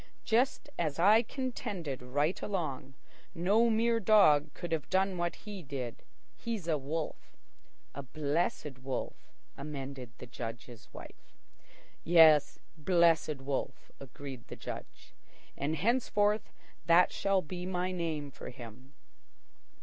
"Just as I contended right along. No mere dog could have done what he did. He's a wolf." "A Blessed Wolf," amended the Judge's wife. "Yes, Blessed Wolf," agreed the Judge. "And henceforth that shall be my name for him."